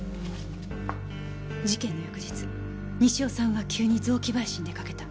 事件の翌日西尾さんは急に雑木林に出かけた。